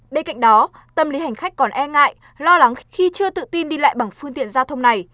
bên cạnh đó tâm lý hành khách còn e ngại lo lắng khi chưa tự tin đi lại bằng phương tiện giao thông này